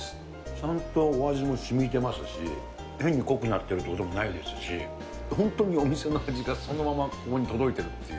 ちゃんとお味もしみてますし、変に濃くなってることもないですし、本当にお店の味がそのままここに届いてるっていう。